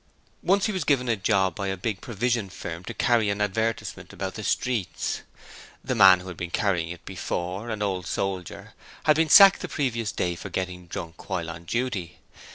Once he was given a job by a big provision firm to carry an advertisement about the streets. The man who had been carrying it before an old soldier had been sacked the previous day for getting drunk while on duty.